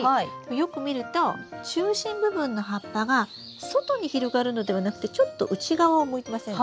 よく見ると中心部分の葉っぱが外に広がるのではなくてちょっと内側を向いてませんか？